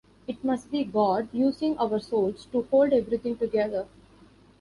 It must be God, using our souls, to hold everything together.